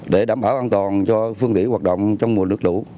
để đảm bảo an toàn cho phương tiện hoạt động trong mùa nước lũ